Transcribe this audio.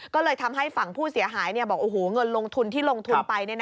ก็เลยทำให้ฝั่งผู้เสียหายบอกเงินลงทุนที่ลงทุนไป